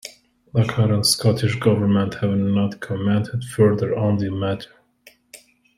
The current Scottish Government have not commented further on the matter.